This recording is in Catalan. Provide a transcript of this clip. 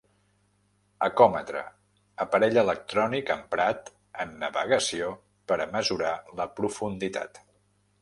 Ecòmetre: Aparell electrònic emprat en navegació per a mesurar la profunditat.